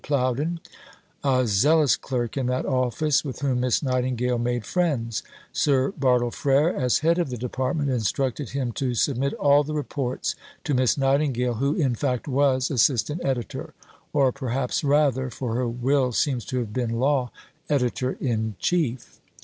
Plowden, a zealous clerk in that office with whom Miss Nightingale made friends; Sir Bartle Frere, as head of the Department, instructed him to submit all the reports to Miss Nightingale who in fact was assistant editor, or perhaps rather (for her will seems to have been law) editor in chief.